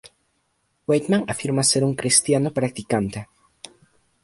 Weidman afirma ser un cristiano practicante.